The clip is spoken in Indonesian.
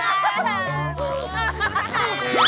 ya udah balik saya kesana aja